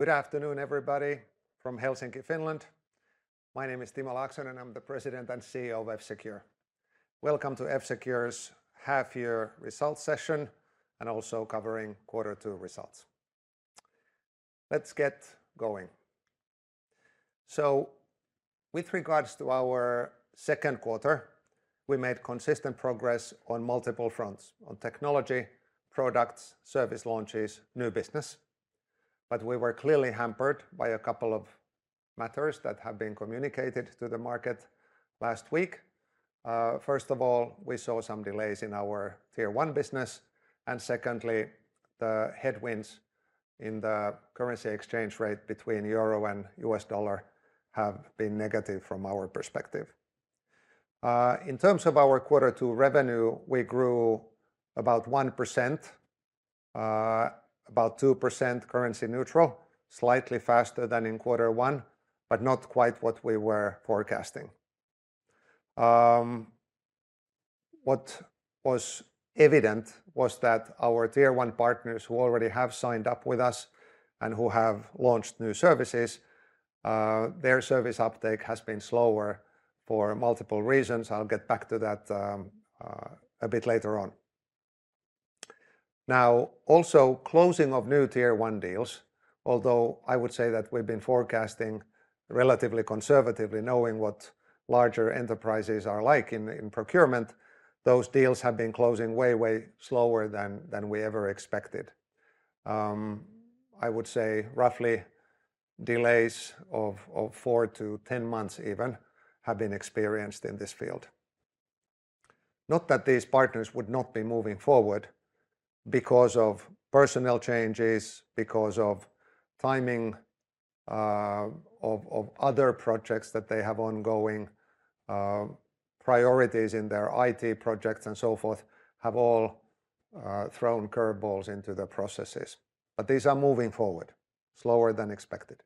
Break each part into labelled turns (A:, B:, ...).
A: Good afternoon everybody from Helsinki, Finland. My name is Timo Laaksonen and I'm the President and CEO of F-Secure. Welcome to F-Secure's half year results session and also covering Q2 results. Let's get going. With regards to our second quarter, we made consistent progress on multiple fronts on technology products, service launches, new business. We were clearly hampered by a couple of matters that have been communicated to the market last week. First of all, we saw some delays in our Tier 1 business. Secondly, the headwinds in the currency exchange rate between Euro and U.S. dollar have been negative from our perspective. In terms of our Q2 revenue, we grew about 1%, about 2% currency neutral, slightly faster than in Q1, but not quite what we were forecasting. What was evident was that our Tier 1 partners who already have signed up with us and who have launched new services, their service uptake has been slower for multiple reasons. I'll get back to that a bit later on. Also, closing of new Tier 1 deals, although I would say that we've been forecasting relatively conservatively, knowing what larger enterprises are like in procurement, those deals have been closing way, way slower than we ever expected. I would say roughly delays of 4-10 months even have been experienced in this field. Not that these partners would not be moving forward because of personnel changes, because of timing of other projects, that they have ongoing priorities in their IT projects and so forth have all thrown curveballs into the processes. These are moving forward slower than expected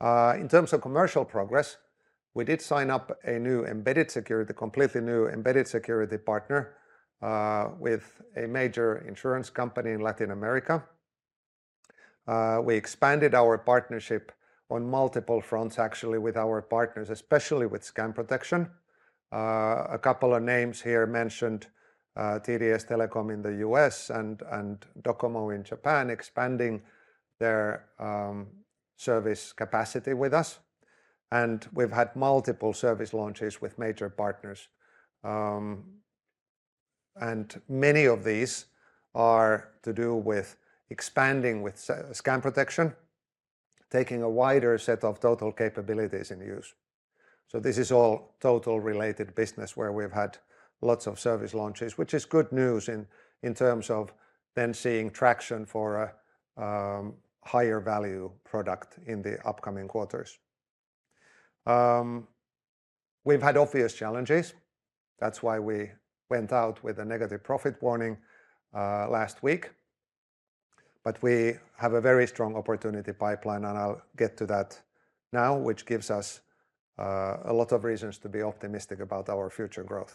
A: in terms of commercial progress. We did sign up a new embedded security, completely new embedded security partner with a major insurance company in Latin America. We expanded our partnership on multiple fronts actually with our partners, especially with scam protection. A couple of names here mentioned TDS Telecom in the U.S. and Docomo in Japan expanding their service capacity with us. We've had multiple service launches with major partners. Many of these are to do with expanding with scam protection, taking a wider set of total capabilities in use. This is all total related business where we've had lots of service launches, which is good news in terms of then seeing traction for a higher value product in the upcoming quarters. We've had obvious challenges. That's why we went out with a negative profit warning last week. We have a very strong opportunity pipeline, and I'll get to that now, which gives us a lot of reasons to be optimistic about our future growth.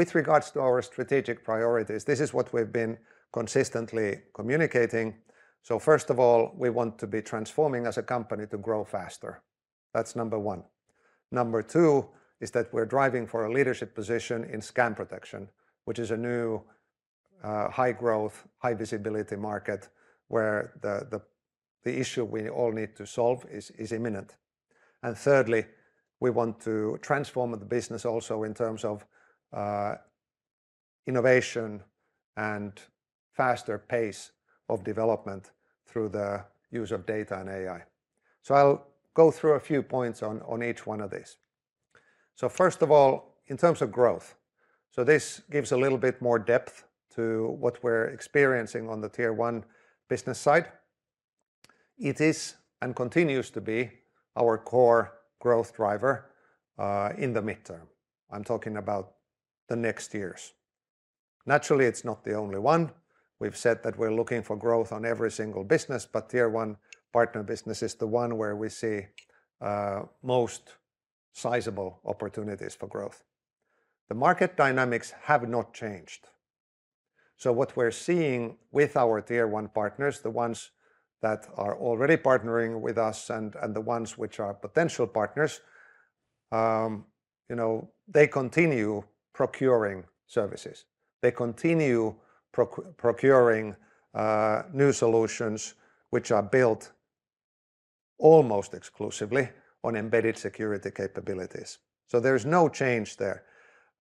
A: With regards to our strategic priorities, this is what we've been consistently communicating. First of all, we want to be transforming as a company to grow faster. That's number one. Number two is that we're driving for a leadership position in scam protection, which is a new high growth, high visibility market where the issue we all need to solve is imminent. Thirdly, we want to transform the business also in terms of innovation and faster pace of development through the use of data and AI. I'll go through a few points on each one of these. First of all, in terms of growth, this gives a little bit more depth to what we're experiencing on the Tier 1 business side. It is and continues to be our core growth driver in the midterm. I'm talking about the next years. Naturally, it's not the only one. We've said that we're looking for growth on every single business, but Tier 1 partner business is the one where we see most sizable opportunities for growth. The market dynamics have not changed. What we're seeing with our Tier 1 partners, the ones that are already partnering with us and the ones which are potential partners, they continue procuring services, they continue procuring new solutions which are built almost exclusively on embedded security capabilities. There's no change there.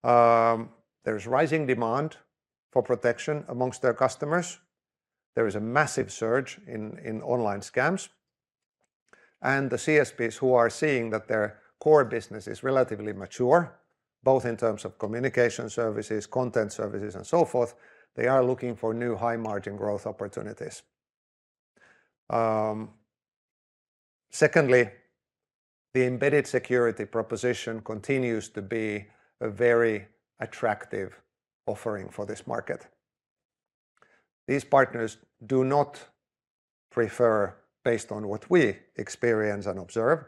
A: There's rising demand for protection amongst their customers. There is a massive surge in online scams. The CSPs who are seeing that their core business is relatively mature, both in terms of communication services, content services and so forth, are looking for new high margin growth opportunities. Secondly, the embedded security proposition continues to be a very attractive offering for this market. These partners do not prefer, based on what we experience and observe,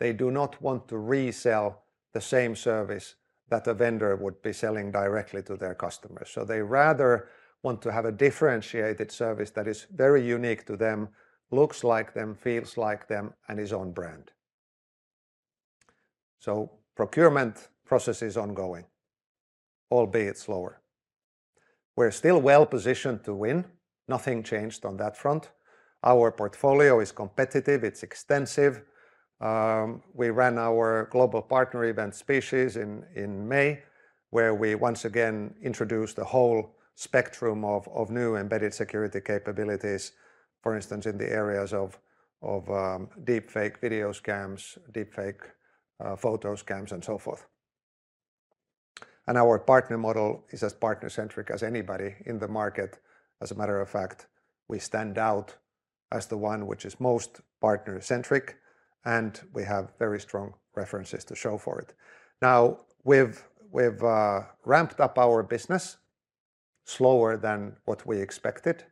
A: to resell the same service that a vendor would be selling directly to their customers. They rather want to have a differentiated service that is very unique to them, looks like them, feels like them, and is on brand. The procurement process is ongoing, albeit slower. We're still well positioned to win. Nothing changed on that front. Our portfolio is competitive, it's extensive. We ran our global partner event series in May where we once again introduced the whole spectrum of new embedded security capabilities, for instance in the areas of deepfake video scams, deepfake photo scams, and so forth. Our partner model is as partner centric as anybody in the market. As a matter of fact, we stand out as the one which is most partner centric and we have very strong references to show for it. We have ramped up our business slower than what we expected,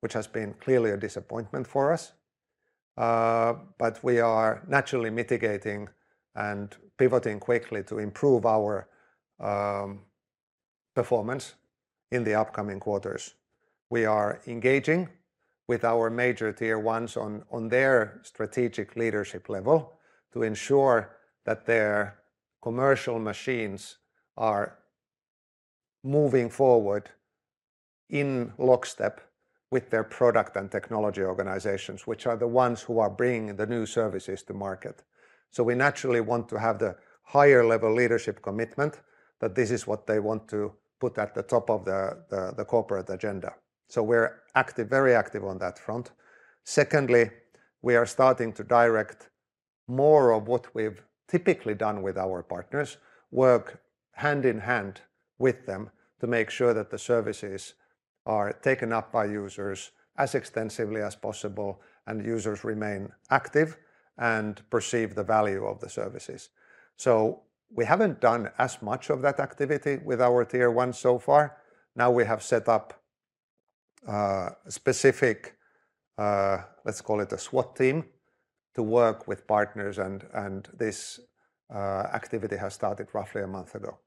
A: which has been clearly a disappointment for us. We are naturally mitigating and pivoting quickly to improve our performance in the upcoming quarters. We are engaging with our major Tier 1 communication service providers on their strategic leadership level to ensure that their commercial machines are moving forward in lockstep with their product and technology organizations, which are the ones who are bringing the new services to market. We naturally want to have the higher level leadership commitment that this is what they want to put at the top of the corporate agenda. We are active, very active on that front. Secondly, we are starting to direct more of what we've typically done with our partners, work hand in hand with them to make sure that the services are taken up by users as extensively as possible and users remain active and perceive the value of the services. We haven't done as much of that activity with our Tier 1 communication service providers so far. We have set up a specific, let's call it a SWAT team, to work with partners and this activity has started roughly a month ago.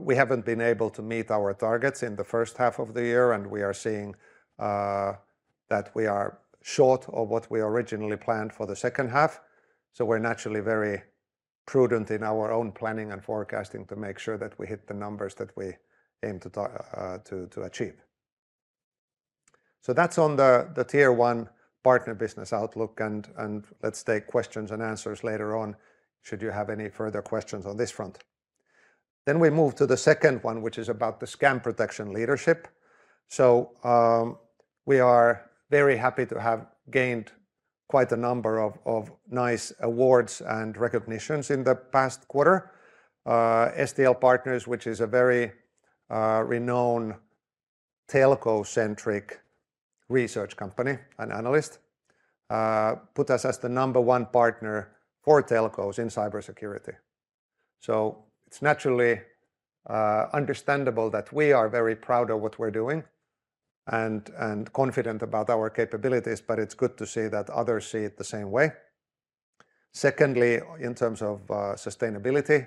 A: We haven't been able to meet our targets in the first half of the year and we are seeing that we are short of what we originally planned for the second half. We are naturally very prudent in our own planning and forecasting to make sure that we hit the numbers that we aim to achieve. That's on the Tier 1 communication service provider partner business outlook. Let's take questions and answers later on should you have any further questions on this front. We move to the second one, which is about the scam protection leadership. We are very happy to have gained quite a number of nice awards and recognitions in the past quarter. STL Partners, which is a very renowned telco centric research company and analyst, put us as the number one partner for telcos in cybersecurity. It is naturally understandable that we are very proud of what we're doing and confident about our capabilities. It's good to see that others see it the same way. Secondly, in terms of sustainability,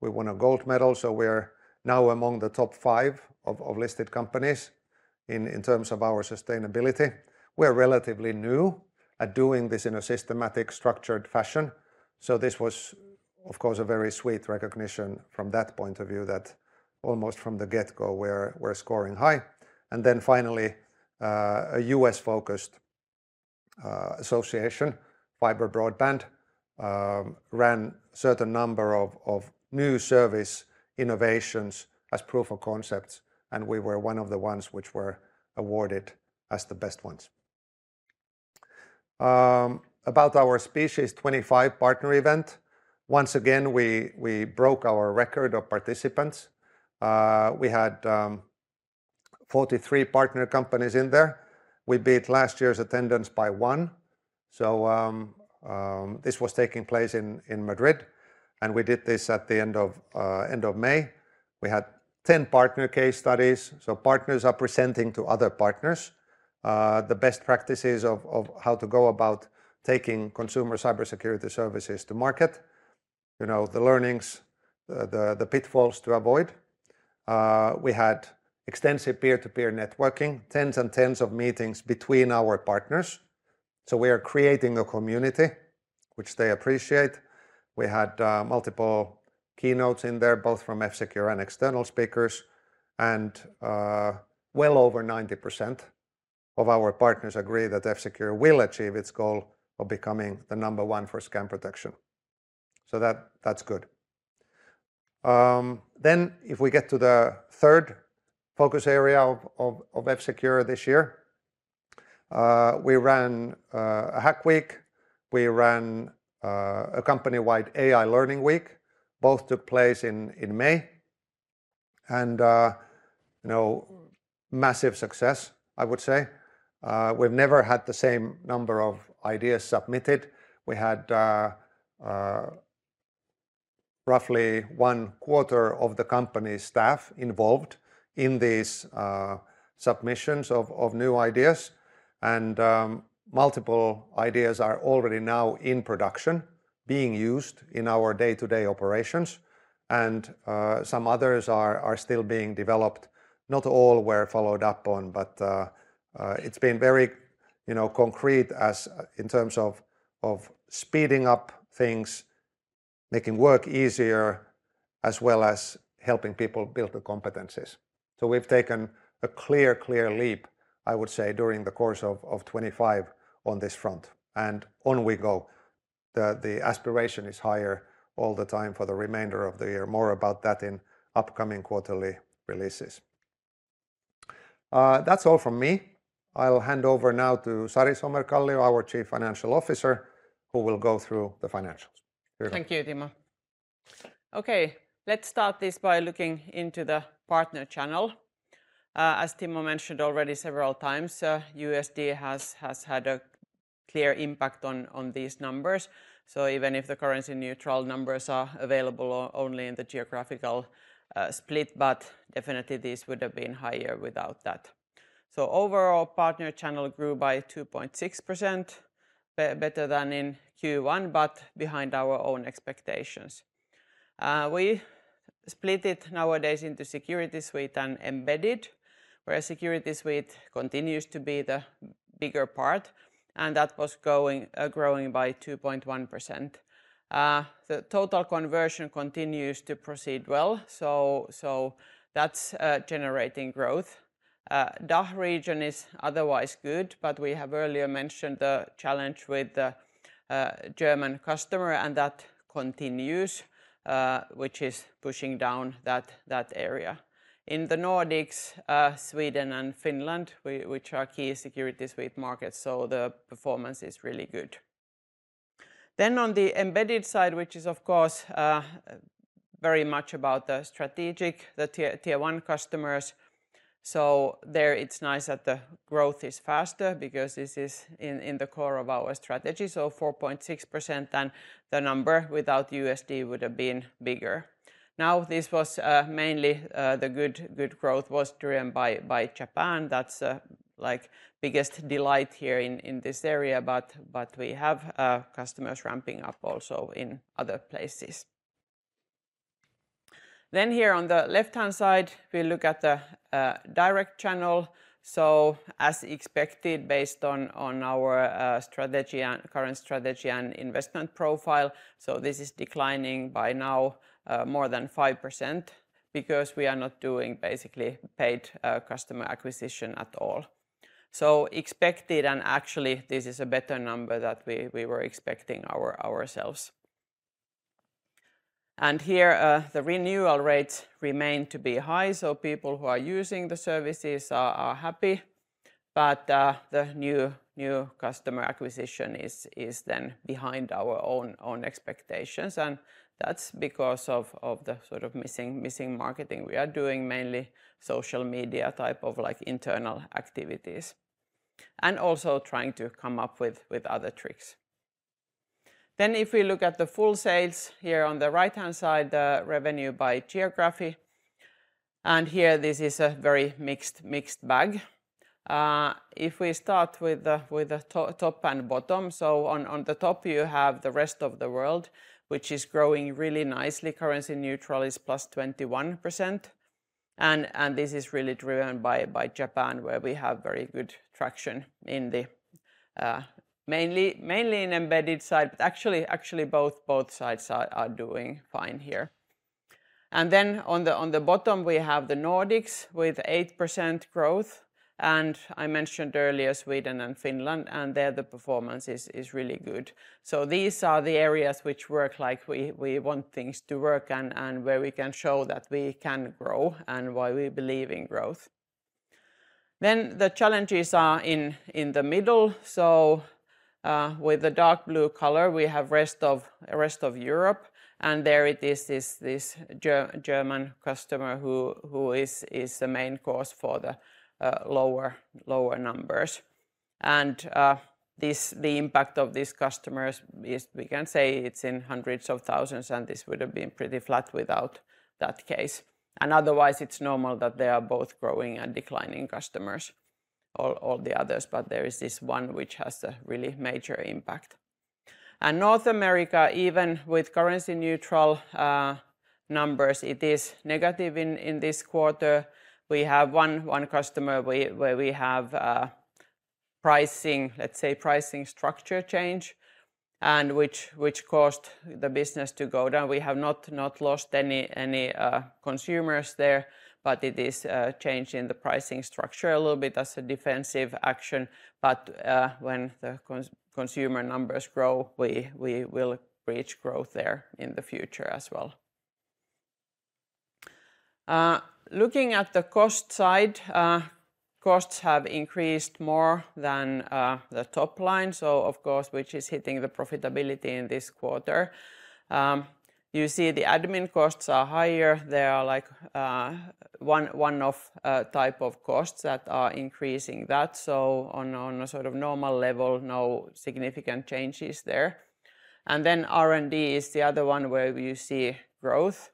A: we won a gold medal. We are now among the top five of listed companies in terms of our sustainability. We are relatively new at doing this in a systematic, structured fashion. This was of course a very sweet recognition from that point of view that almost from the get go we're scoring high. Finally, a U.S. focused association, fiber broadband, ran a certain number of new service innovations as proof of concepts and we were one of the ones which were awarded as the best ones. About our SPECIES 25 partner event. Once again, we broke our record of participants. We had 43 partner companies in there. We beat last year's attendance by one. This was taking place in Madrid and we did this at the end of May. We had 10 partner case studies. Partners are presenting to other partners the best practices of how to go about taking consumer cybersecurity services to market, the learnings, the pitfalls to avoid. We had extensive peer to peer networking, tens and tens of meetings between our partners. We are creating a community which they appreciate. We had multiple keynotes in there, both from F-Secure and external speakers. Well over 90% of our partners agree that F-Secure will achieve its goal of becoming the number one for scam protection. That is good. If we get to the third focus area of F-Secure this year, we ran a hack week, we ran a company wide AI Learning week. Both took place in May and no massive success. I would say we've never had the same number of ideas submitted. We had roughly one quarter of the company's staff involved in these submissions of new ideas and multiple ideas are already now in production, being used in our day to day operations and some others are still being developed. Not all were followed up on, but it's been very concrete in terms of speeding up things, making work easier, as well as helping people build their competencies. We've taken a clear, clear leap, I would say during the course of 2025 on this front. The aspiration is higher all the time for the remainder of the year. More about that in upcoming quarterly releases. That's all from me. I'll hand over now to Sari Somerkallio, our Chief Financial Officer, who will go through the financials.
B: Thank you, Timo. Okay, let's start this by looking into the partner channel. As Timo mentioned already several times, USD has had a clear impact on these numbers. Even if the currency neutral numbers are available only in the geographical split, this would have been higher without that. Overall, partner channel grew by 2.6%, better than in Q1, but behind our own expectations. We split it nowadays into Security Suite and Embedded, whereas Security Suite continues to be the bigger part and that was growing by 2.1%. The total conversion continues to proceed well, so that's generating growth. DACH region is otherwise good. We have earlier mentioned the challenge with the German customer and that continues, which is pushing down that area. In the Nordics, Sweden and Finland, which are key Security Suite markets, the performance is really good. On the embedded side, which is of course very much about the strategic, the Tier 1 customers, it's nice that the growth is faster because this is in the core of our strategy. 4.6% and the number without USD would have been bigger. This was mainly the good growth driven by Japan. That's the biggest delight here in this area. We have customers ramping up also in other places. Here on the left hand side we look at the direct channel. As expected, based on our current strategy and investment profile, this is declining by now more than 5% because we are not doing basically paid customer acquisition at all. Expected and actually this is a better number than we were expecting ourselves. The renewal rates remain to be high, so people who are using the services are happy. The new customer acquisition is then behind our own expectations and that's because of the sort of missing marketing we are doing. Mainly social media type of internal activities and also trying to come up with other tricks. If we look at the full sales here on the right hand side, the revenue by geography, this is a very mixed bag. If we start with the top and bottom, on the top you have the rest of the world which is growing really nicely. Currency neutral is +21%. This is really driven by Japan where we have very good traction mainly in embedded side, but actually both sides are doing fine here. On the bottom we have the Nordics with 8% growth and I mentioned earlier Sweden and Finland and there the performance is really good. These are the areas which work like we want things to work and where we can show that we can grow and why we believe in growth. The challenges are in the middle. With the dark blue color we have rest of rest of Europe. There it is this German customer who is the main cause for the lower numbers and the impact of these customers. We can say it's in hundreds of thousands and this would have been pretty flat without that case. Otherwise it's normal that there are both growing and declining customers, all the others. There is this one which has a really major impact and North America, even with currency neutral numbers, it is negative. In this quarter we have one customer where we have pricing, let's say pricing structure change which caused the business to go down. We have not lost any consumers there, but it is changing the pricing structure a little bit as a defensive action. When the consumer numbers grow, we will reach growth there in the future as well. Looking at the cost side, costs have increased more than the top line, which is hitting the profitability in this quarter. You see the admin costs are higher, they are like one-off type of costs that are increasing that. On a sort of normal level, no significant changes there and then R&D is the other one where you see growth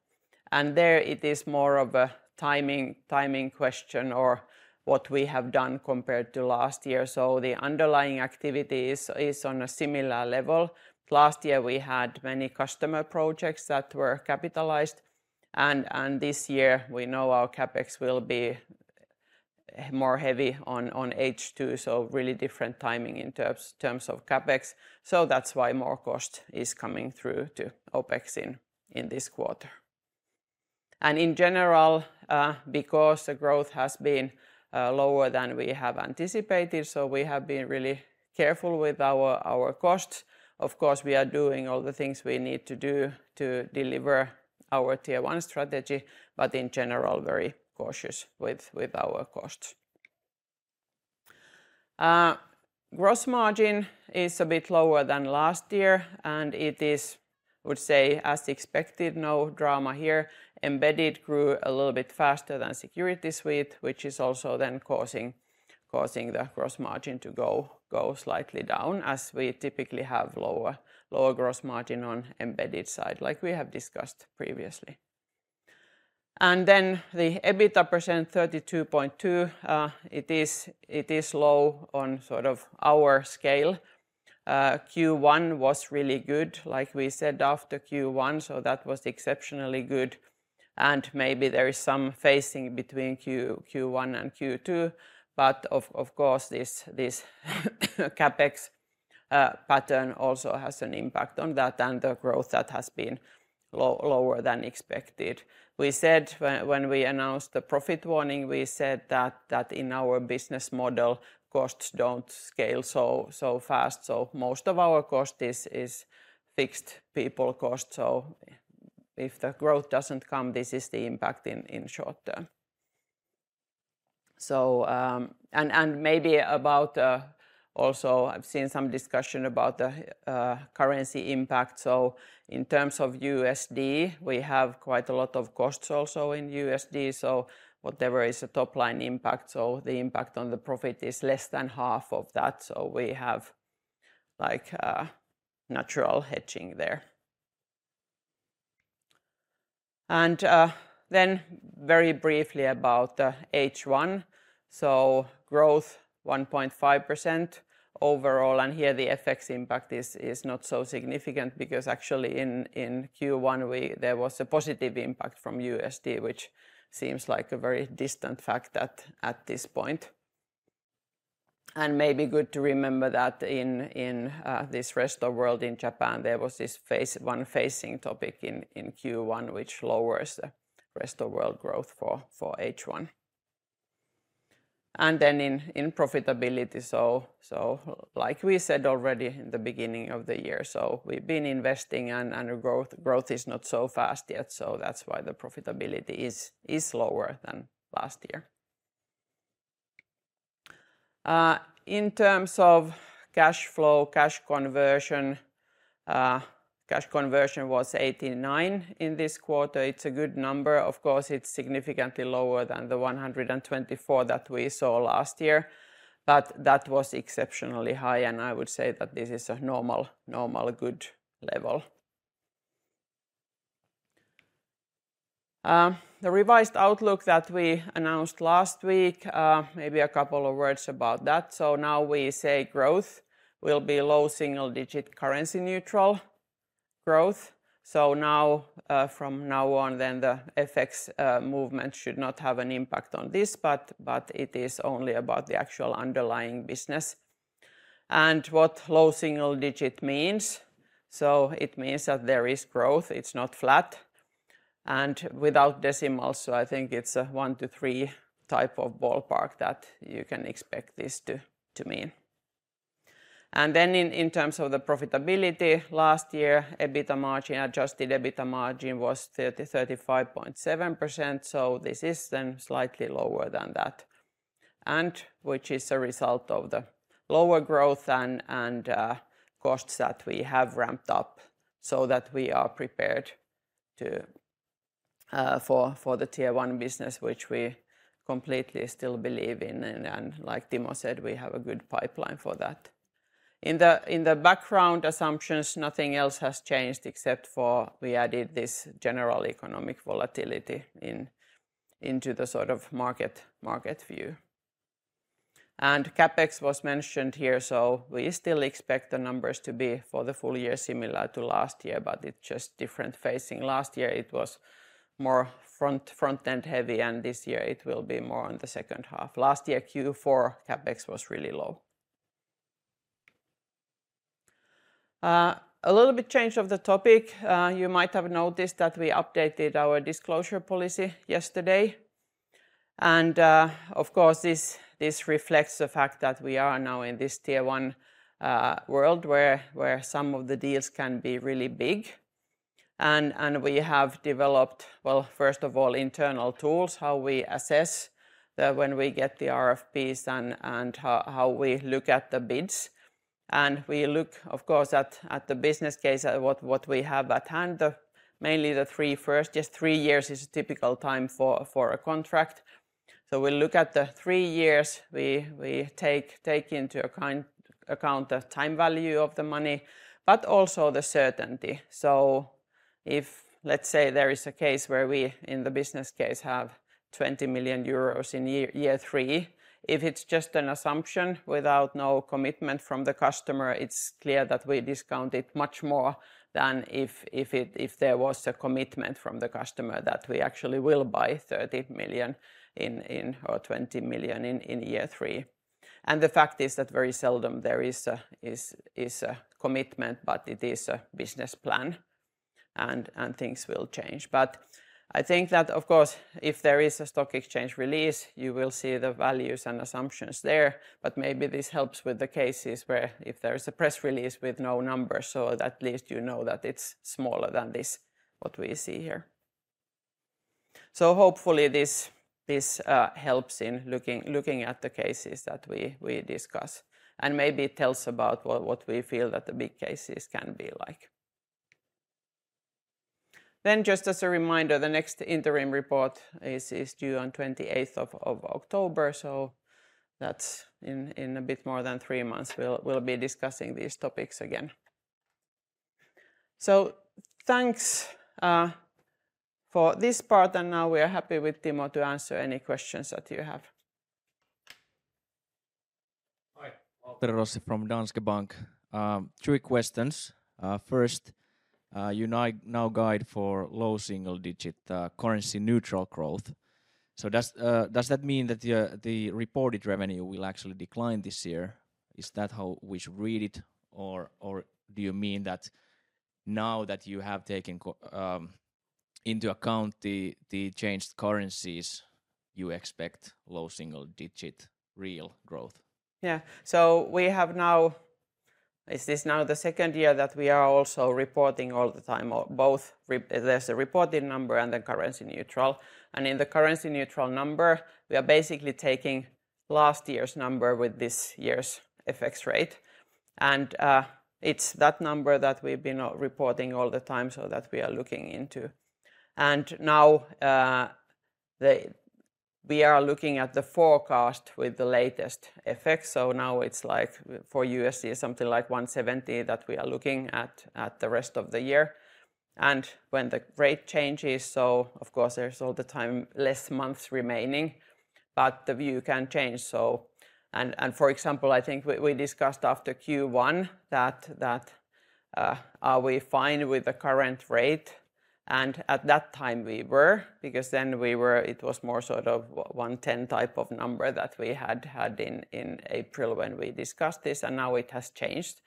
B: and there it is more of a timing question or what we have done compared to last year. The underlying activity is on a similar level. Last year we had many customer projects that were capitalized and this year we know our CapEx will be more heavy on H2. Really different timing in terms of CapEx. That's why more cost is coming through to OpEx in this quarter and in general because the growth has been lower than we have anticipated. We have been really careful with our costs. Of course we are doing all the things we need to do to deliver our Tier 1 strategy but in general very cautious with our costs. Gross margin is a bit lower than last year and it is, would say, as expected, no drama here. Embedded grew a little bit faster than Security Suite which is also then causing the gross margin to go slightly down as we typically have lower gross margin on embedded side like we have discussed previously. The EBITDA percent, 32.2% it is low on sort of our scale. Q1 was really good like we said after Q1, so that was exceptionally good. Maybe there is some phasing between Q1 and Q2, but of course CapEx pattern also has an impact on that and the growth that has been lower than expected. We said when we announced the profit warning that in our business model costs don't scale so fast. Most of our cost is fixed people cost. If the growth doesn't come, this is the impact in short term. Maybe also about, I've seen some discussion about the currency impact. In terms of USD, we have quite a lot of costs also in USD, so whatever is a top line impact, the impact on the profit is less than half of that. We have like natural hedging there. Very briefly about H1, growth 1.5% overall, and here the FX impact is not so significant because actually in Q1 there was a positive impact from USD, which seems like a very distant fact at this point. Maybe good to remember that in this rest of world, in Japan, there was this one facing topic in Q1 which lowers the rest of world growth for H1. In profitability, like we said already in the beginning of the year, we've been investing and growth is not so fast yet. That's why the profitability is lower than last year. In terms of cash flow, cash conversion was 89 in this quarter. It's a good number. Of course, it's significantly lower than the 124 that we saw last year, but that was exceptionally high and I would say that this is a normal good level. The revised outlook that we announced last week, maybe a couple of words about that. Now we say growth will be low single digit currency neutral growth. From now on, the FX movement should not have an impact on this, but it is only about the actual underlying business and what low single digit means. It means that there is growth, it's not flat and without decimals. I think it's a one to three type of ballpark that you can expect this to, to me. In terms of the profitability, last year adjusted EBITDA margin was 35.7%. This is then slightly lower than that, which is a result of the lower growth and costs that we have ramped up so that we are prepared for the Tier 1 business, which we completely still believe in and like Timo said, we have a good pipeline for that. In the background assumptions, nothing else has changed except for we added this general economic volatility into the sort of market view and CapEx was mentioned here. We still expect the numbers to be for the full year similar to last year, but it's just different facing. Last year it was more front end heavy and this year it will be more in the second half. Last year Q4 CapEx was really low. A little bit change of the topic. You might have noticed that we updated our disclosure policy yesterday and of course this reflects the fact that we are now in this Tier 1 world where some of the deals can be really big and we have developed, first of all, internal tools, how we assess when we get the RFPs and how we look at the bids and we look, of course, at the business case, what we have at hand. Mainly the first three years is a typical time for a contract. We look at the three years, we take into account the time value of the money, but also the certainty. If, let's say, there is a case where we in the business case have €20 million in year three, if it's just an assumption with no commitment from the customer, it's clear that we discount it much more than if there was a commitment from the customer that we actually will buy €30 million or €20 million in year three. The fact is that very seldom there is a commitment, but it is a business plan and things will change. I think that if there is a stock exchange release, you will see the values and assumptions there. Maybe this helps with the cases where if there is a press release with no number, at least you know that it's smaller than this, what we see here. Hopefully this helps in looking at the cases that we discuss and maybe tells about what we feel that the big cases can be like. Just as a reminder, the next interim report is due on 28th of October. That's in a bit more than three months. We'll be discussing these topics again. Thanks for this part. Now we are happy with Timo to answer any questions that you have.
C: Waltteri Rossi from Danske Bank. Three questions. First, you now guide for low single digit currency neutral growth. Does that mean that the reported revenue will actually decline this year? Is that how we should read it? Do you mean that now that you have taken into account the changed currencies, you expect low single digit rea`l growth?
B: Yeah. This is now the second year that we are also reporting all the time both there's a reported number and the currency neutral, and in the currency neutral number we are basically taking last year's number with this year's FX rate, and it's that number that we've been reporting all the time. That we are looking into, and now we are looking at the forecast with the latest FX. Now it's like for USD something like $170 that we are looking at the rest of the year, and when the rate changes, of course there's all the time less months remaining, but the view can change. For example, I think we discussed after Q1 that are we fine with the current rate, and at that time we were because then it was more sort of $110 type of number that we had had in April when we discussed this, and now it has changed.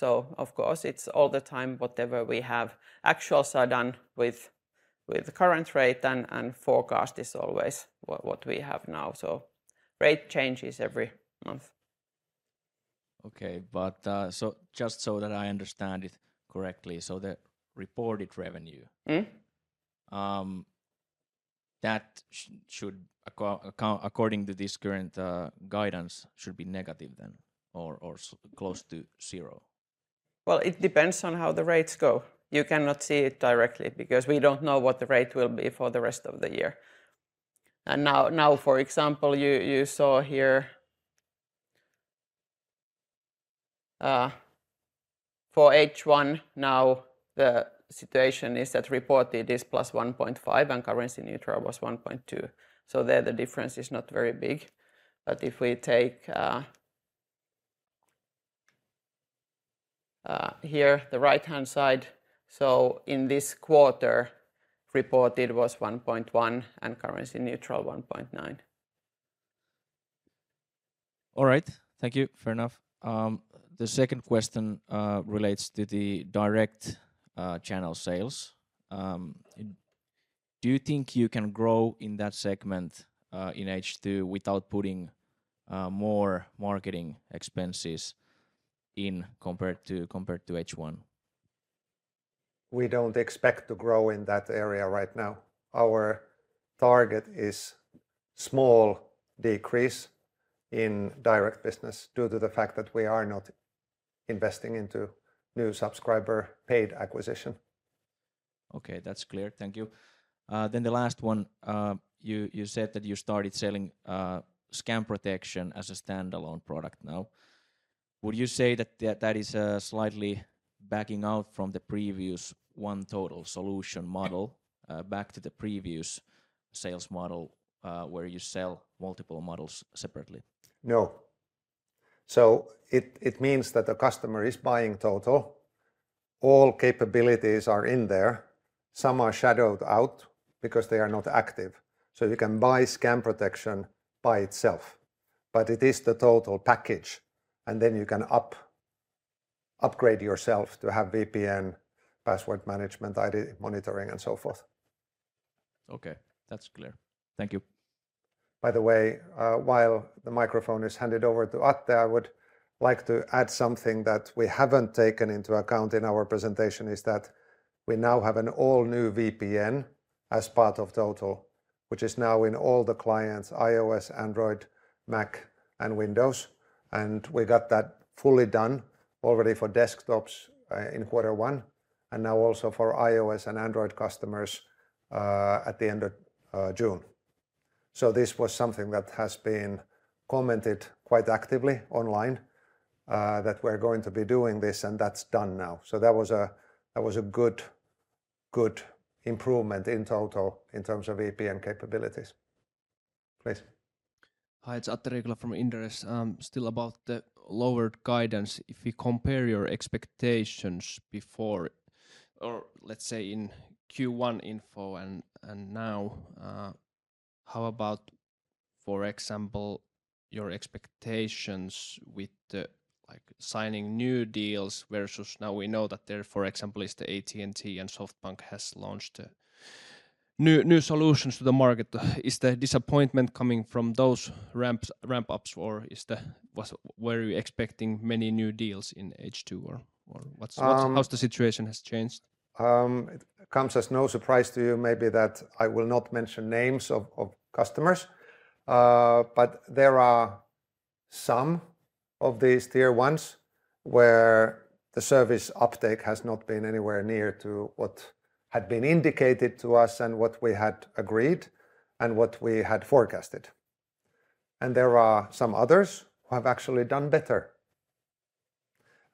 B: Of course, it's all the time. Whatever we have, actuals are done with current rate, and forecast is always what we have now. Rate changes every month.
C: Okay, just so that I understand it correctly, the reported revenue that should according to this current guidance should be negative or close to zero.
B: It depends on how the rates go. You cannot see it directly because we don't know what the rate will be for the rest of the year. For example, you saw here for H1, now the situation is that reported is +1.5% and currency neutral was 1.2%. There the difference is not very big. If we take the right-hand side, in this quarter reported was 1.1% and currency neutral 1.9%.
C: All right, thank you. Fair enough. The second question relates to the direct channel sales. Do you think you can grow in that segment in H2 without putting more marketing expenses in compared to H1?
A: We don't expect to grow in that area. Right now, our target is a small decrease in direct business due to the fact that we are not investing into new subscriber paid acquisition.
C: Okay, that's clear, thank you. The last one, you said that you started selling scam protection as a standalone product. Now, would you say that that is slightly backing out from the previous one total solution model back to the previous sales model where you sell multiple models separately?
A: No. It means that the customer is buying Total, all capabilities are in there, some are shadowed out because they are not active. You can buy scam protection by itself, but it is the total package, and then you can upgrade yourself to have VPN, password management, ID monitoring, and so forth.
C: Okay, that's clear. Thank you.
A: By the way, while the microphone is handed over to Ate, I would like to add something that we haven't taken into account in our presentation is that we now have an all new VPN as part of Total, which is now in all the clients: iOS, Android, Mac, and Windows. We got that fully done already for desktops in quarter one and now also for iOS and Android customers at the end of June. This was something that has been commented quite actively online, that we're going to be doing this, and that's done now. That was a good improvement in Total in terms of VPN capabilities. Please.
D: Hi, it's Atte Rikola from Inderes. Still about the lowered guidance. If you compare your expectations before or let's say in Q1 info and now, how about for example your expectations with signing new deals versus now? We know that there, for example, is the AT&T and SoftBank has launched new solutions to the market. Is the disappointment coming from those ramp ups, or were you expecting many new deals in H2? How's the situation changed?
A: It comes as no surprise to you maybe that I will not mention names of customers, but there are some of these Tier 1 communication service providers where the service uptake has not been anywhere near to what had been indicated to us and what we had agreed and what we had forecasted, and there are some others who have actually done better.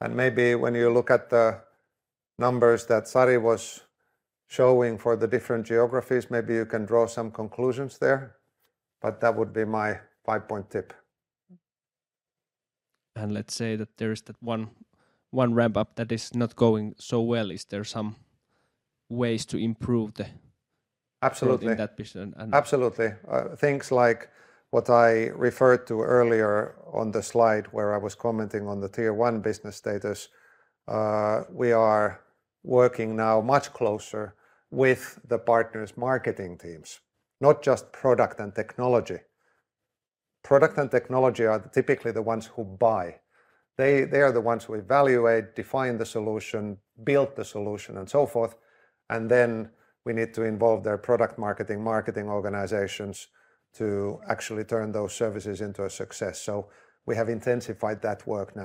A: Maybe when you look at the numbers that Sari was showing for the different geographies, you can draw some conclusions there. That would be my five point tip.
D: There is that one ramp up that is not going so well. Is there some ways to improve the.
A: Absolutely, absolutely. Things like what I referred to earlier on the slide where I was commenting on the Tier 1 business status. We are working now much closer with the partners' marketing teams, not just product and technology. Product and technology are typically the ones who buy. They are the ones who evaluate, define the solution, build the solution, and so forth. We need to involve their product marketing and marketing organizations to actually turn those services into a success. We have intensified that work. It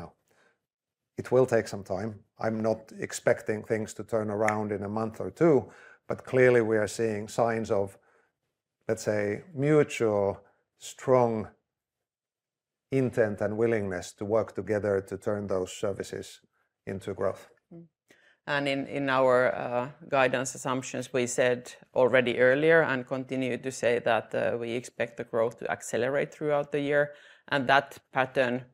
A: will take some time. I'm not expecting things to turn around in a month or two, but clearly we are seeing signs of, let's say, mutual strong intent and willingness to work together to turn those services into growth.
B: In our guidance assumptions, we said already earlier and continue to say that we expect the growth to accelerate throughout the year, and that pattern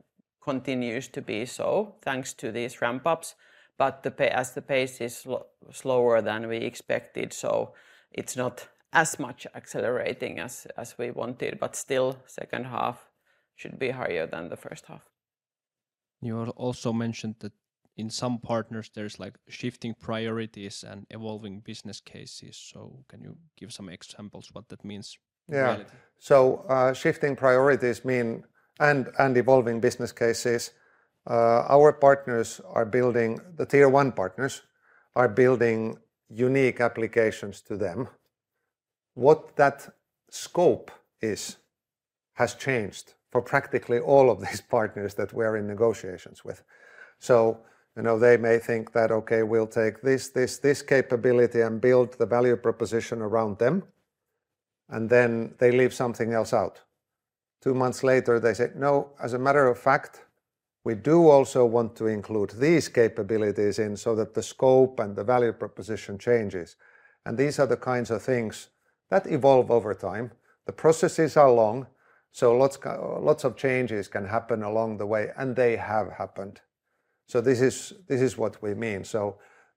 B: continues to be so thanks to these ramp ups. As the pace is slower than we expected, it's not as much accelerating as we wanted. Still, second half should be higher than the first half.
D: You also mentioned that in some partners there's like shifting priorities and evolving business cases. Can you give some examples what that means?
A: Yeah. Shifting priorities mean and evolving business cases. Our partners are building, the Tier 1 partners are building unique applications to them. What that scope is has changed for practically all of these partners that we're in negotiations with. They may think that okay, we'll take this, this, this capability and build the value proposition around them, and then they leave something else out. Two months later they say no. As a matter of fact, we do also want to include these capabilities in so that the scope and the value proposition changes. These are the kinds of things that evolve over time. The processes are long, so lots of changes can happen along the way and they have happened. This is what we mean.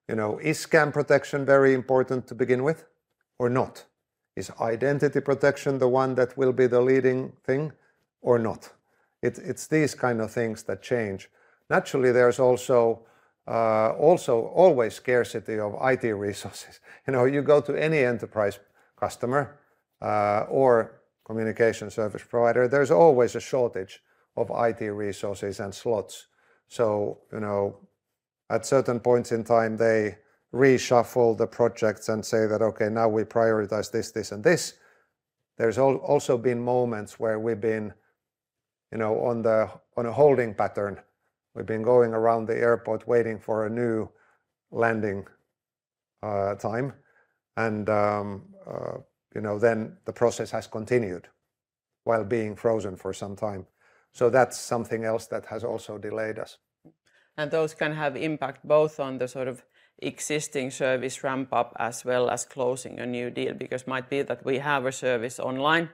A: You know, is scam protection very important to begin with or not? Is identity protection the one that will be the leading thing or not? It's these kind of things that change naturally. There's also always scarcity of IT resources. You know, you go to any enterprise customer or communication service provider, there's always a shortage of IT resources and slots. At certain points in time they reshuffle the projects and say that okay, now we prioritize this, this and this. There have also been moments where we've been on a holding pattern, we've been going around the airport waiting for a new landing time and then the process has continued while being frozen for some time. That's something else that has also delayed us.
B: Those can have impact both on the sort of existing service ramp up as well as closing a new deal, because it might be that we have a service online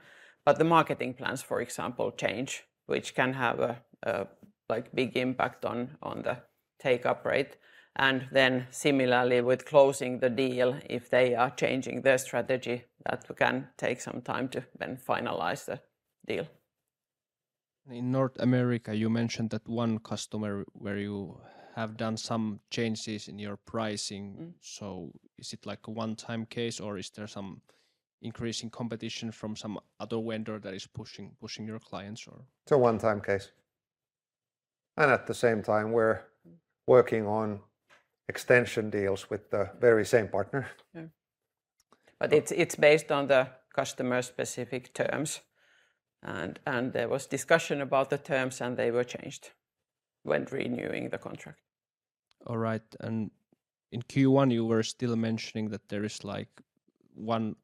B: but the marketing plans, for example, change, which can have a big impact on the take up rate. Similarly, with closing the deal, if they are changing their strategy, that can take some time to then finalize the deal.
D: In North America, you mentioned that one customer where you have done some changes in your pricing. Is it like a one-time case, or is there some increasing competition from some other vendor that is pushing your clients?
A: It's a one time case, and at the same time we're working on extension deals with the very same partner.
B: It is based on the customer specific terms, and there was discussion about the terms, and they were changed when renewing the contract.
D: All right, in Q1 you were still mentioning that there is like one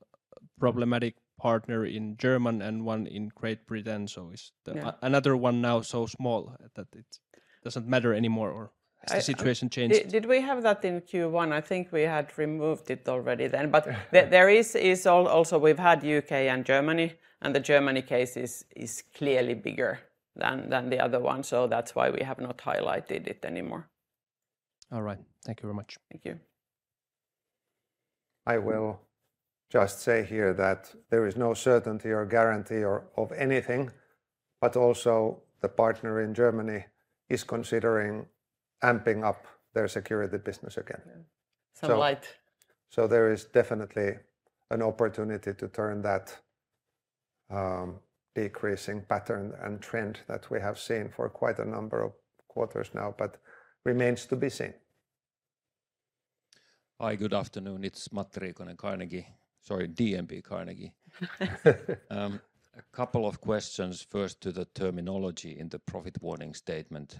D: problematic partner in Germany and one in Great Britain. Is another one now so small that it doesn't matter anymore, or did the situation change?
B: Did we have that in Q1? I think we had removed it already then. We have also had U.K. and Germany, and the Germany case is clearly bigger than the other one. That's why we have not highlighted it anymore.
D: All right, thank you very much.
B: Thank you.
A: I will just say here that there is no certainty or guarantee of anything. The partner in Germany is considering amping up their security business again. There is definitely an opportunity to turn that decreasing pattern and trend that we have seen for quite a number of quarters now, but it remains to be seen.
E: Hi, good afternoon, it's Matti Riikonen, Carnegie. Sorry, DMP Carnegie. A couple of questions. First to the terminology in the profit warning statement.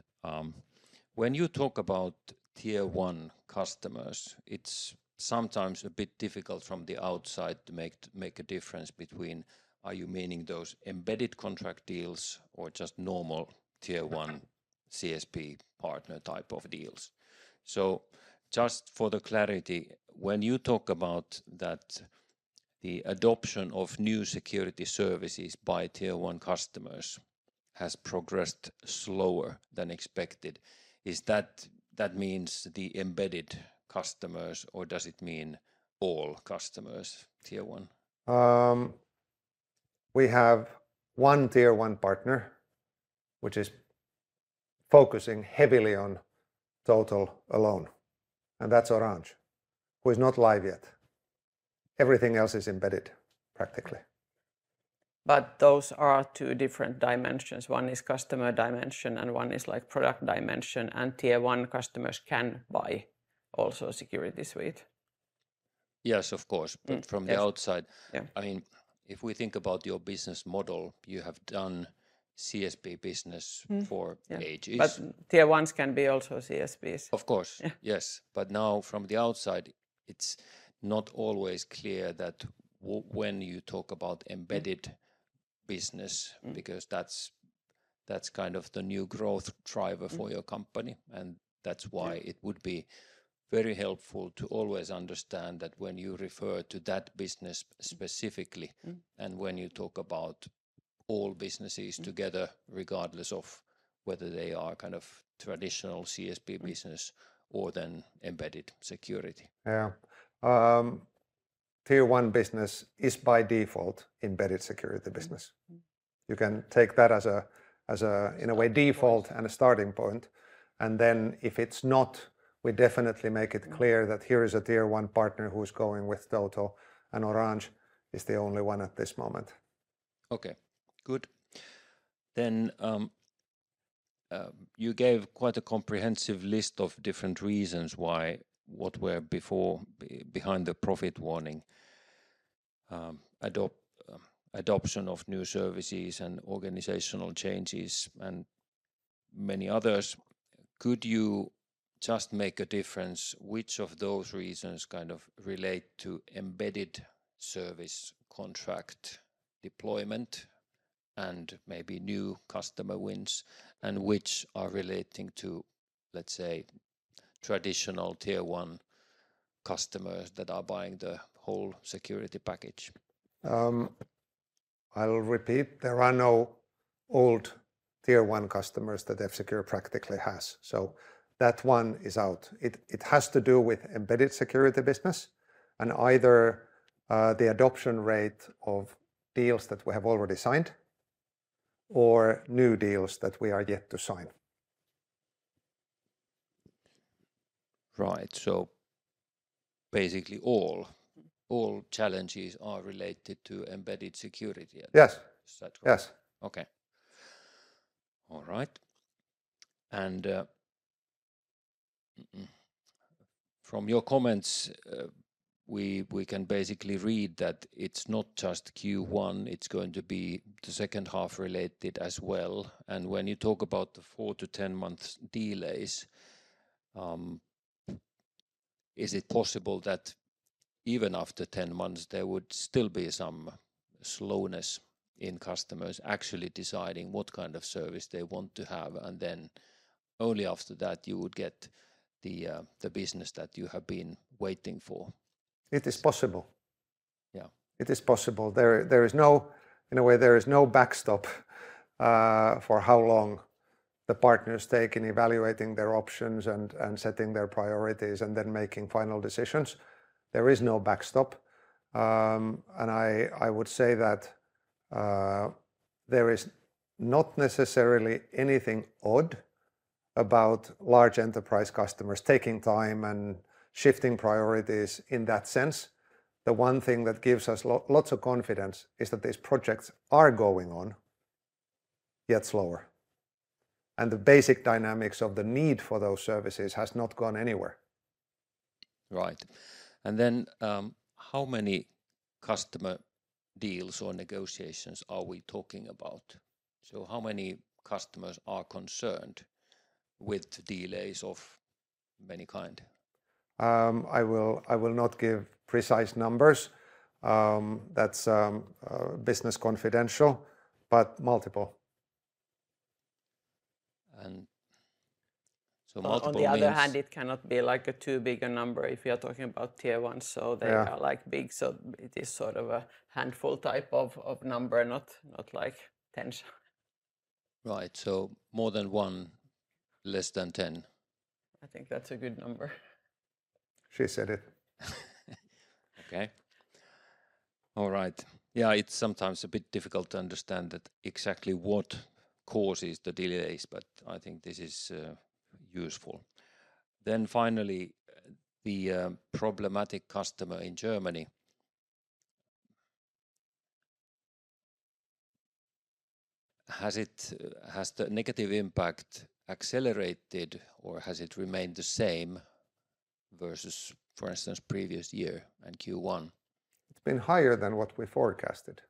E: When you talk about Tier 1 customers, it's sometimes a bit difficult from the outside to make a difference between are you meaning those embedded contract deals or just normal Tier 1 CSP partner type of deals? Just for the clarity, when you talk about that the adoption of new security services by Tier 1 customers has progressed slower than expected, does that mean the embedded customers or does it mean all customers, Tier 1.
A: We have one Tier 1 partner which is focusing heavily on total alone, and that's Oranj, who is not live yet. Everything else is embedded practically but those.
B: But those are two different dimensions. One is customer dimension and one is like product dimension. Tier 1 customers can also buy Security Suite.
E: Yes, of course, from the outside, I mean, if we think about your business model, you have done CSP business for.
B: Tier 1s can be also CSPs.
E: Of course, yes. From the outside, it's not always clear when you talk about embedded business, because that's kind of the new growth driver for your company. That's why it would be very helpful to always understand when you refer to that business specifically and when you talk about all businesses together, regardless of whether they are kind of traditional CSP business or embedded security.
A: Yeah, Tier 1 business is by default embedded security business. You can take that as a, in a way, default and a starting point. If it's not, we definitely make it clear that here is a Tier 1 partner who is going with Toto, and Orange is the only one at this moment.
E: Okay, good. You gave quite a comprehensive list of different reasons why, what were before, behind the profit warning, adoption of new services and organizational changes and many others. Could you just make a difference which of those reasons kind of relate to embedded service contract deployment and maybe new customer wins, and which are relating to, let's say, traditional Tier 1 customers that are buying the whole Security Suite?
A: I'll repeat, there are no old Tier 1 communication service provider customers that F-Secure practically has. That one is out. It has to do with embedded security business and either the adoption rate of deals that we have already signed or new deals that we are yet to sign.
E: Right. Basically, all challenges are related to embedded security.
A: Yes. Yes.
E: Okay. All right. From your comments, we can basically read that it's not just Q1, it's going to be the second half related as well. When you talk about the 4-10 months delays, is it possible that even after 10 months there would still be some slowness in customers actually deciding what kind of service they want to have and then only after that you would get the business that you have been waiting for?
A: It is possible. Yeah, it is possible in a way. There is no backstop for how long the partners take in evaluating their options, setting their priorities, and then making final decisions. There is no backstop. I would say that there is not necessarily anything odd about large enterprise customers taking time and shifting priorities. In that sense, the one thing that gives us lots of confidence is that these projects are going on, yet slower, and the basic dynamics of the need for those services has not gone anywhere, right.
E: How many customer deals or negotiations are we talking about? How many customers are concerned with delays of any kind?
A: I will not give precise numbers. That's business confidential, but multiple.
B: On the other hand, it cannot be like too big a number if you're talking about Tier 1. They are big, so it is sort of a handful type of number, not like ten.
E: Right. More than one, less than 10.
B: I think that's a good number.
A: She said it.
E: Okay. All right. Yeah. It's sometimes a bit difficult to understand exactly what causes the delays, but I think this is useful. Finally, the problematic customer in Germany, has it had the negative impact accelerated or has it remained the same versus, for instance, previous year and Q1?
A: It's been higher than what we forecasted,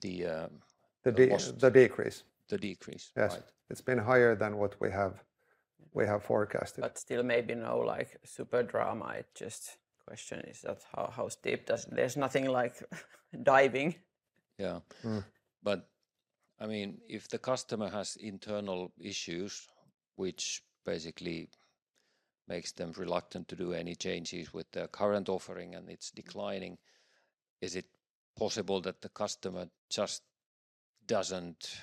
A: the decrease.
E: The decrease.
A: It's been higher than what we have forecasted.
B: Maybe no super drama. The question is how steep it does. There's nothing like diving.
E: Yeah, if the customer has internal issues, which basically makes them reluctant to do any changes with their current offering and it's declining, is it possible that the customer just doesn't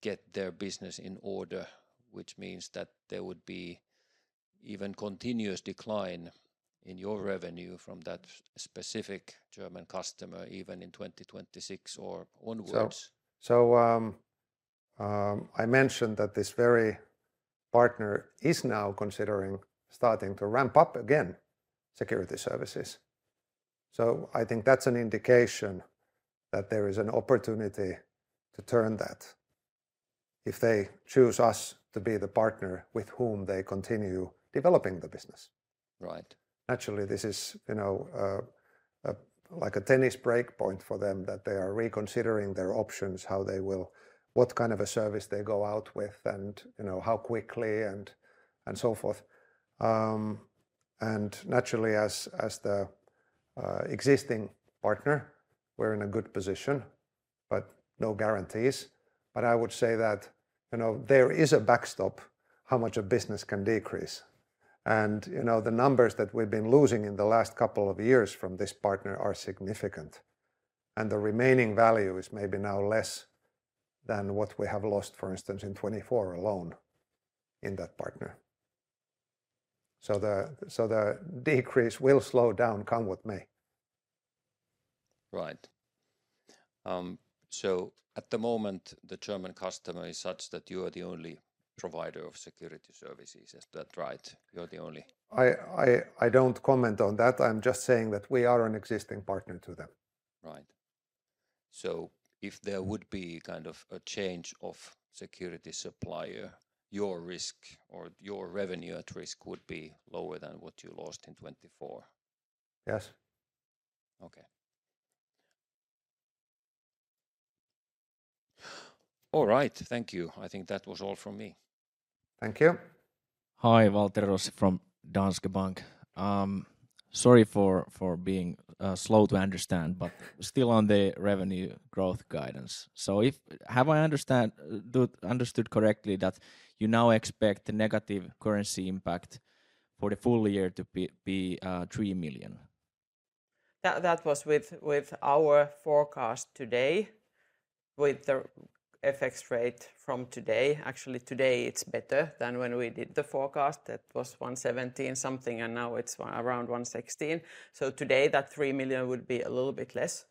E: get their business in order? Which means that there would be even continuous decline in your revenue from that specific German customer even in 2026 or onwards.
A: I mentioned that this very partner is now considering starting to ramp up again security services. I think that's an indication that there is an opportunity to turn that if they choose us to be the partner with whom they continue developing the business.
E: Right.
A: Actually, this is like a tennis break point for them, that they are reconsidering their options, how they will, what kind of a service they go out with, how quickly and so forth. Naturally, as the existing partner, we're in a good position, but no guarantees. I would say that there is a backstop how much a business can decrease. The numbers that we've been losing in the last couple of years from this partner are significant, and the remaining value is maybe now less than what we have lost, for instance in 2024 alone in that partner. The decrease will slow down. Come with me.
E: Right. At the moment, the German customer is such that you are the only provider of security services, is that right? You're the only.
A: I don't comment on that. I'm just saying that we are an existing partner to them.
E: Right. If there would be kind of a change of security supplier, your risk or your revenue at risk would be lower than what you lost in 2024.
A: Yes.
E: Okay. All right, thank you, I think that was all from me.
A: Thank you.
C: Hi, Waltteri Rossi from Danske Bank. Sorry for being slow to understand, but still on the revenue growth guidance. If I have understood correctly, you now expect negative currency impact for the full year to be $3 million.
B: That was with our forecast today, with the FX rate from today. Actually, today it's better than when we did the forecast. That was $170 and something, and now it's around $116. Today, that $3 million would be a little bit less.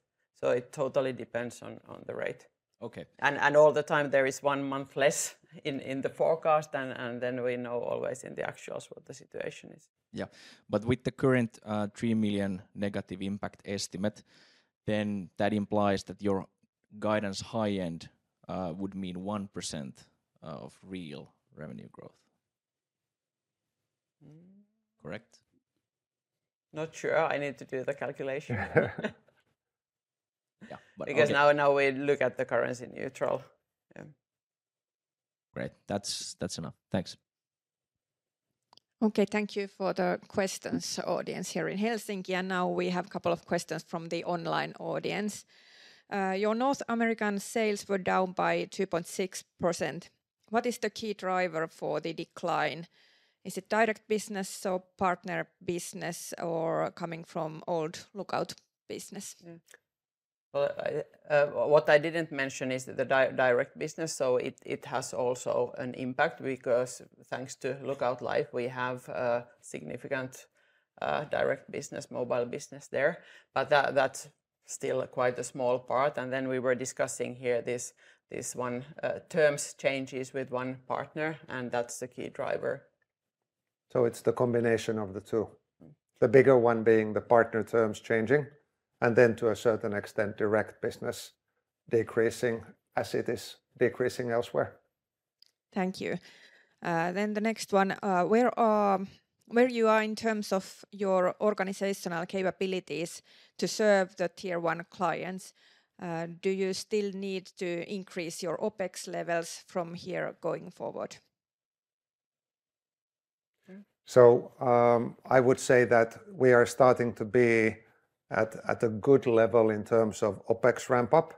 B: It totally depends on the rate. And all the time, there is one month less in the forecast all the time, and then we know always in the actuals what the situation is.
C: With the current $3 million negative impact estimate, that implies that your guidance high end would mean 1% of real revenue growth.
B: Correct? Not sure. I need to do the calculation because now we look at the currency neutral.
C: Great, that's enough, thanks. Okay, thank you for the questions, audience here in Helsinki. Now we have a couple of questions from the online audience. Your North American sales were down by 2.6%. What is the key driver for the decline? Is it direct business, partner business, or coming from old Lookout business?
B: What I didn't mention is the direct business. It has also an impact because thanks to Lookout Life we have a significant direct business mobile business there. That's still quite a small part. We were discussing here this one terms changes with one partner and that's the key driver.
A: It is the combination of the two, the bigger one being the partner terms changing, and then to a certain extent direct business decreasing as it is decreasing elsewhere. Thank you. Where are you in terms of your organizational capabilities to serve the Tier 1 communication service providers? Do you still need to increase your OpEx levels from here going forward? I would say that we are starting to be at a good level in terms of OpEx ramp up.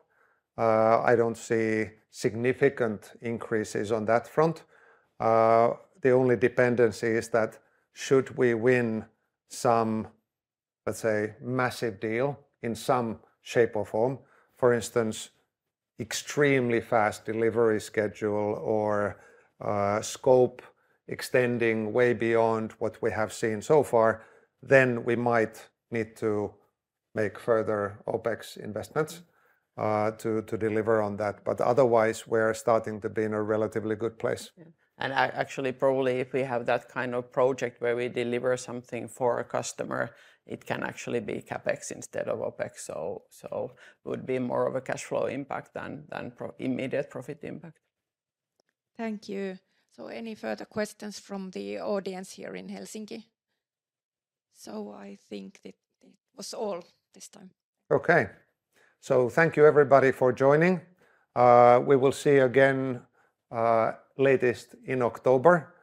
A: I don't see significant increases on that front. The only dependency is that should we win some, let's say, massive deal in some shape or form, for instance, extremely fast delivery schedule or scope extending way beyond what we have seen so far, we might need to make further OpEx investments to deliver on that. Otherwise, we're starting to be in a relatively good place.
B: If we have that kind of project where we deliver something for a customer, it can actually be CapEx instead of OpEx. It would be more of a cash flow impact than immediate profit impact. Thank you. Are there any further questions from the audience here in Helsinki? I think that was all this time.
A: Thank you everybody for joining. We will see again latest in October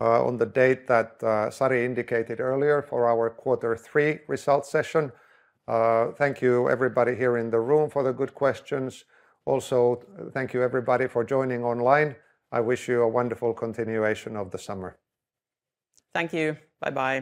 A: on the date that Sari indicated earlier for our quarter three results session. Thank you everybody here in the room for the good questions. Also, thank you everybody for joining online. I wish you a wonderful continuation of the summer.
B: Thank you. Bye-bye.